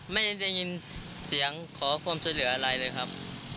ไม่ได้ยินเสียงขอความช่วยเหลืออะไรเลยครับ